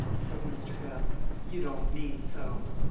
said Mr. Gubb. "You don't mean so!"